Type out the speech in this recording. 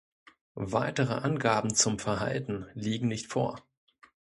Weitere Angaben zum Verhalten liegen nicht vor.